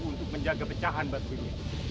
untuk menjaga pecahan batu ini